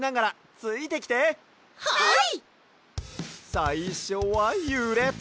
さいしょはゆれて。